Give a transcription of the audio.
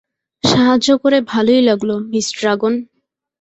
সাহায্য করে ভালোই লাগল, মিস ড্রাগন।